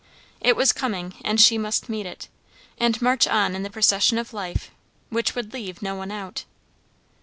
It was coming, and she must meet it, and march on in the procession of life, which would leave no one out.